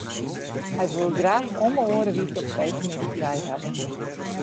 Hy woe graach om 'e oare wike op freedtemiddei frij hawwe.